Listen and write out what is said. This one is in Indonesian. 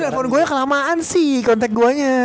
lo liat akun gue kelamaan sih kontek gue nya